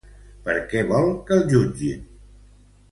Per què vol que el jutgin?